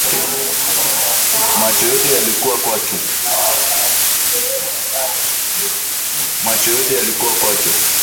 Macho yote yalikuwa kwake